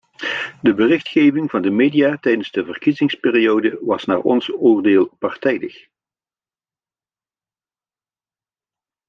De berichtgeving van de media tijdens de verkiezingsperiode was naar ons oordeel partijdig.